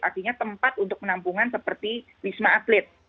artinya tempat untuk penampungan seperti wisma atlet